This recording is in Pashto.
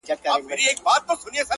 چي قلا د یوه ورور یې آبادیږي٫